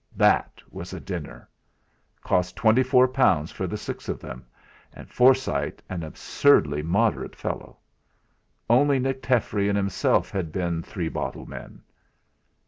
That was a dinner! Cost twenty four pounds for the six of them and Forsyte an absurdly moderate fellow. Only Nick Treff'ry and himself had been three bottle men!